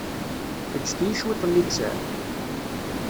Eǧǧ-iyi cwiṭ n littseɛ.